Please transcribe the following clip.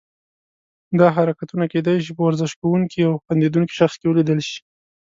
دا حرکتونه کیدای شي په ورزش کوونکي او خندیدونکي شخص کې ولیدل شي.